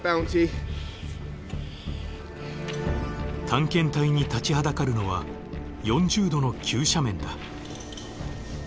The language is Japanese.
探検隊に立ちはだかるのは４０度の急斜面だ。